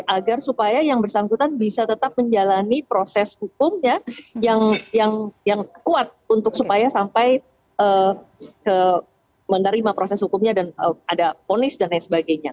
agar supaya yang bersangkutan bisa tetap menjalani proses hukumnya yang kuat untuk supaya sampai menerima proses hukumnya dan ada ponis dan lain sebagainya